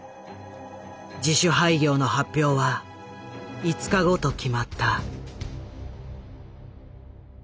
自主廃業の発表は５日後と決まった。